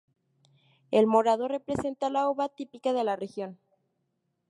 El morado representa la uva, típica de la región.